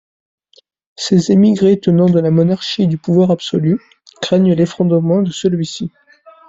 Ces émigrés, tenants de la monarchie et du pouvoir absolu, craignent l'effondrement de celui-ci.